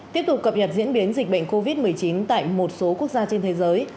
tiếp tục cập nhật diễn biến dịch bệnh covid một mươi chín tại một số quốc gia trên thế giới